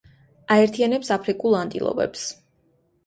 აერთიანებს აფრიკულ ანტილოპებს.